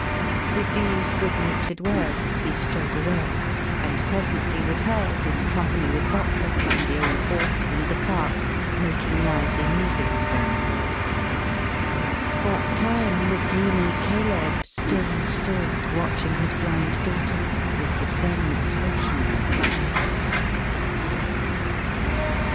With these good natured words, he strode away; and presently was heard, in company with Boxer, and the old horse, and the cart, making lively music down the road. What time the dreamy Caleb still stood, watching his Blind Daughter, with the same expression on his face.